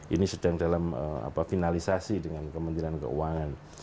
ini sedang dalam finalisasi dengan kementerian keuangan